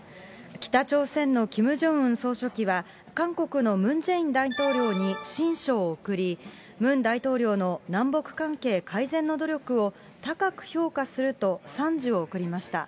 北朝鮮のキム・ジョンウン総書記は、韓国のムン・ジェイン大統領に親書を送り、ムン大統領の南北関係改善の努力を高く評価すると賛辞を送りました。